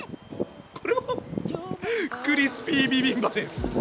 これはクリスピービビンバです！